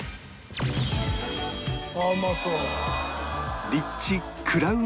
ああうまそう。